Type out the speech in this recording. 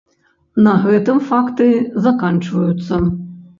На гэтым факты заканчваюцца.